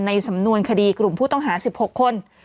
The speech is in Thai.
ในสำนวนคดีกลุ่มผู้ต้องหา๑๖คน